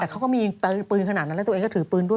แต่เขาก็มีปืนขนาดนั้นแล้วตัวเองก็ถือปืนด้วย